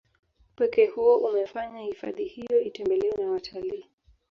Upekee huo umeifanya hifahdi hiyo itembelewe na watalii